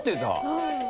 はい。